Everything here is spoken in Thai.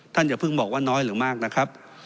อย่าเพิ่งบอกว่าน้อยหรือมากนะครับ